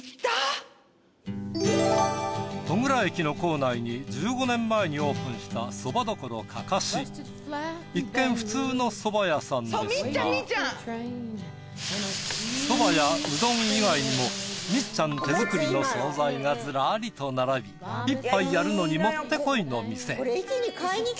戸倉駅の構内に１５年前にオープンした一見普通のそば屋さんですがそばやうどん以外にもみっちゃん手作りの惣菜がずらりと並び一杯やるのにもってこいの店。